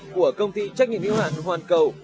của công ty trách nhiệm yếu hạn hoàn cầu